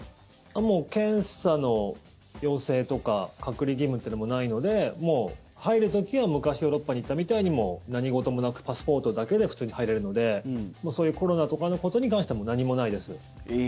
もう検査の要請とか隔離義務というのもないのでもう入る時は昔ヨーロッパに行ったみたいに何事もなくパスポートだけで普通に入れるのでそういうコロナとかのことに関しては何もないです。